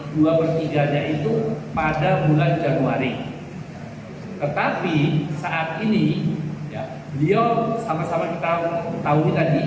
dua pertiganya itu pada bulan januari tetapi saat ini beliau sama sama kita tahu tahu tadi